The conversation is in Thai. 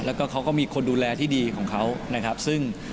แล้วก็เขาก็มีคนดูแลที่ดีของเขานะครับซึ่ง